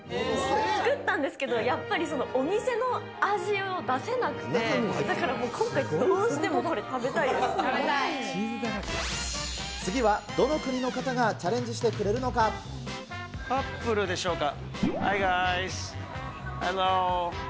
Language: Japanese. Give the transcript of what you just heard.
作ったんですけど、やっぱりお店の味を出せなくて、だからもう今回、どうしてもこれ、次はどの国の方がチャレンジカップルでしょうか。